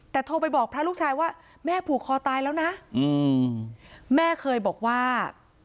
แต่โทรไปบอกพระลูกชายว่าแม่ผูกคอตายแล้วนะแม่เคยบอกว่า